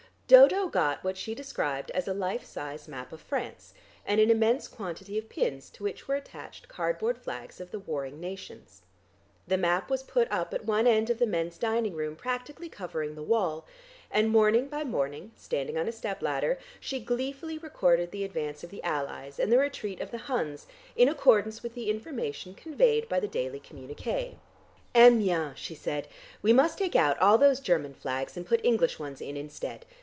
Dodo got what she described as a life size map of France, and an immense quantity of pins to which were attached cardboard flags of the warring nations. The map was put up at one end of the men's dining room practically covering the wall, and morning by morning, standing on a step ladder, she gleefully recorded the advance of the Allies, and the retreat of the Huns, in accordance with the information conveyed by the daily communiqué. "Amiens!" she said. "We must take out all those German flags and put English ones in instead.